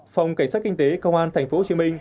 phòng cảnh sát kinh tế công an tp hcm